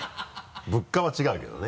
物価は違うけどね。